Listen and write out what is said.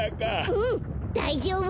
うんだいじょうぶ！